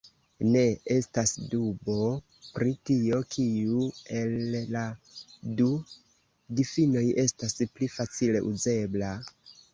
Ne estas dubo, pri tio, kiu el la du difinoj estas pli facile uzebla...